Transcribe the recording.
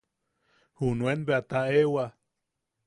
Junuen bea taʼewa.